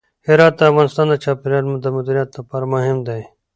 هرات د افغانستان د چاپیریال د مدیریت لپاره مهم دی.